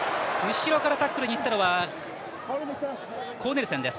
後ろからタックルに行ったのはコーネルセンです。